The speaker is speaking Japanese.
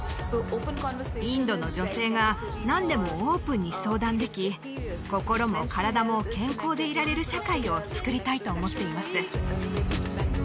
インドの女性が何でもオープンに相談でき心も体も健康でいられる社会をつくりたいと思っています